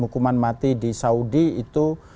hukuman mati di saudi itu